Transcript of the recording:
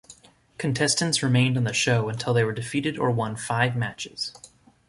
Contestants remained on the show until they were defeated or won five matches.